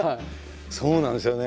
そうなんですよね。